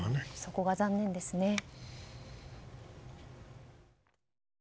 そこが残念ですね。